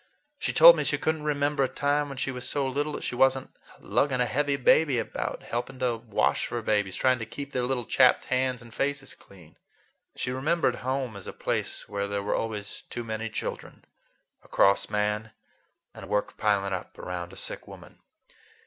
She told me she could n't remember a time when she was so little that she was n't lugging a heavy baby about, helping to wash for babies, trying to keep their little chapped hands and faces clean. She remembered home as a place where there were always too many children, a cross man, and work piling up around a sick woman.